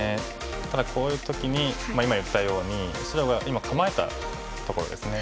ただこういう時に今言ったように白が今構えたところですね。